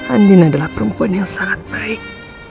andin adalah perempuan yang sangat baik